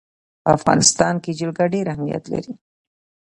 په افغانستان کې جلګه ډېر اهمیت لري.